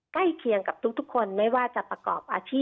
เคียงกับทุกคนไม่ว่าจะประกอบอาชีพ